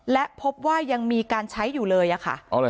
และพบว่ายังมีการใช้อยู่เลยอะค่ะ